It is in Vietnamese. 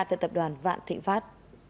tại tập đoàn vạn thịnh pháp